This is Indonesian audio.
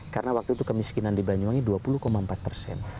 karena waktu itu kemiskinan di banyuwangi dua puluh empat persen